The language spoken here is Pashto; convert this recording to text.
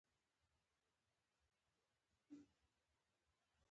نصيحتونه او زړه خوړنه یې احساسوم.